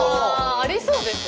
ありそうですね。